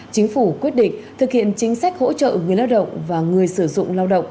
chính phủ quyết định thực hiện chính sách hỗ trợ người lao động và người sử dụng lao động